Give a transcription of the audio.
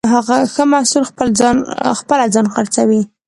ښه محصول خپله ځان خرڅوي.